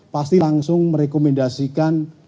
pasti langsung merekomendasikan